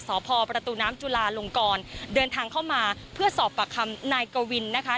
พอประตูน้ำจุลาลงกรเดินทางเข้ามาเพื่อสอบปากคำนายกวินนะคะ